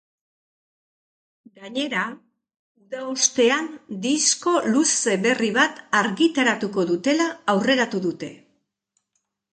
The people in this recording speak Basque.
Gainera, uda ostean disko luze berri bat argitaratuko dutela aurreratu dute.